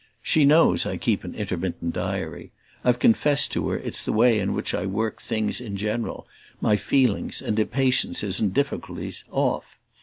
She knows I keep an intermittent diary I've confessed to her it's the way in which I work things in general, my feelings and impatiences and difficulties, off.